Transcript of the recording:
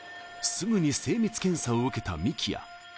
すぐに精密検査を受けた幹也。